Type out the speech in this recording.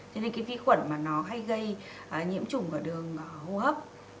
cho nên cái vi khuẩn mà nó hay gây nhiễm chủng ở đường hô hấp